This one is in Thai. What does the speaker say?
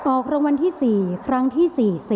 ออกรางวัลที่๔ครั้งที่๔๐